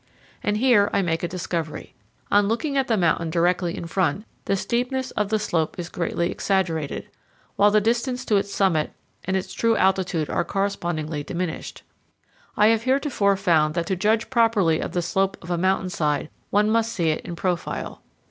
And here I make a discovery. On looking at the mountain directly in front, the steepness of the slope is greatly exaggerated, while the distance to its summit and its true altitude are correspondingly diminished. I have heretofore found that to judge properly of the slope of a mountain side, one must see it in profile.